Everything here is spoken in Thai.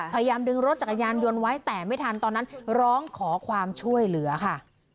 พยายามดึงรถจักรยานยนต์ไว้แต่ไม่ทันตอนนั้นร้องขอความช่วยเหลือค่ะ